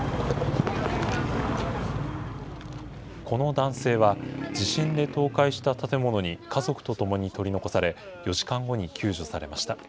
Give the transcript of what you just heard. この男性は、地震で倒壊した建物に家族と共に取り残され、４時間後に救助されました。